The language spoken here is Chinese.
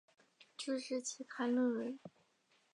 注释期刊论文